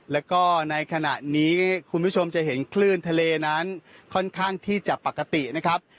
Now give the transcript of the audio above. แล้วก็ในขณะนี้คุณผู้ชมจะเห็นคลื่นทะเลนั้นค่อนข้างที่จะปกตินะครับ